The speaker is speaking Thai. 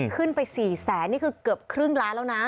ขึ้นไป๔แสนนี่คือเกือบครึ่งล้านแล้วนะ